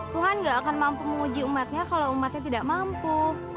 tuhan gak akan mampu menguji umatnya kalau umatnya tidak mampu